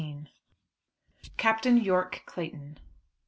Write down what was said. CAPTAIN YORKE CLAYTON.